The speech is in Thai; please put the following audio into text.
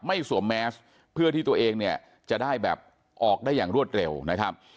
สวมแมสเพื่อที่ตัวเองเนี่ยจะได้แบบออกได้อย่างรวดเร็วนะครับ